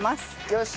よし！